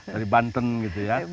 dari banten gitu ya